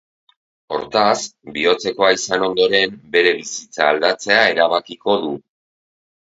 Hortaz, bihotzekoa izan ondoren, bere bizitza aldatzea erabakiko du.